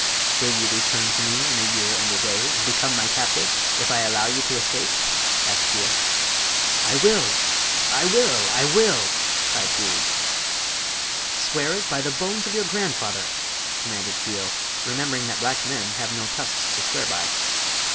"Will you return to me in a year and a day and become my captive, if I allow you to escape?" asked Keo. "I will! I will! I will!" cried Gouie. "Swear it by the bones of your grandfather!" commanded Keo, remembering that black men have no tusks to swear by.